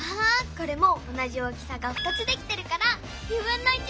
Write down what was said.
これもおなじ大きさが２つできてるからだね！